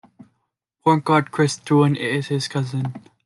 Point guard Chris Duhon is his cousin.